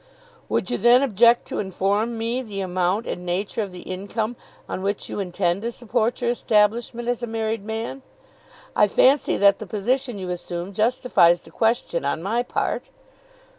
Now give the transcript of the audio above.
"Would you then object to inform me the amount and nature of the income on which you intend to support your establishment as a married man? I fancy that the position you assume justifies the question on my part."